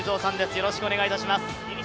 よろしくお願いします。